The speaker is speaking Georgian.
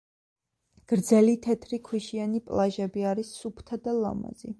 გრძელი თეთრი ქვიშიანი პლაჟები არის სუფთა და ლამაზი.